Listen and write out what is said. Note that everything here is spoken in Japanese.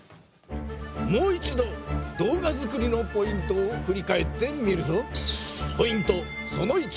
もう一度動画作りのポイントをふり返ってみるぞ。